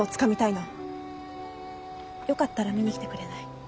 よかったら見に来てくれない？